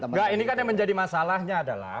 enggak ini kan yang menjadi masalahnya adalah